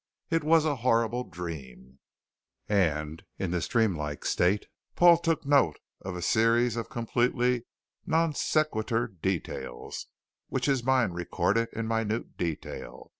It was a horrible dream And in this dreamlike state, Paul took note of a series of completely non sequitur details which his mind recorded in minute detail.